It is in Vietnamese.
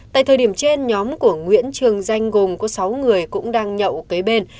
tại thời điểm trên nhóm của nguyễn trường danh gồm có sáu người cũng đang nhậu kế bên